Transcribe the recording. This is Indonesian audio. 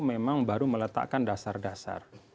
memang baru meletakkan dasar dasar